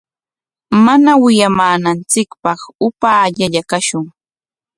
Mana wiyamananchikpaq upaallalla kashun.